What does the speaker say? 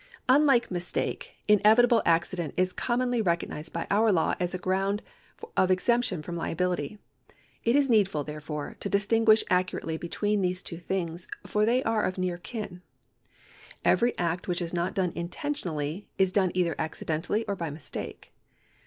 UnliJve mistake, inevitable accident is commonly recog nised by our law as a ground of exemption from liability. It is needful, therefore, to distinguish accurately between these two things, for they are near of kin. Every act which is not done intentionally is done either accidentally or by mistake.